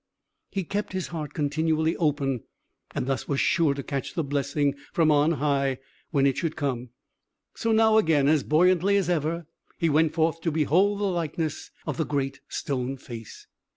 He kept his heart continually open, and thus was sure to catch the blessing from on high, when it should come. So now again, as buoyantly as ever, he went forth to behold the likeness of the Great Stone Face.